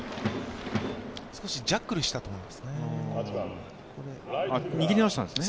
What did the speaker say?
少しジャックルしたと思いますね。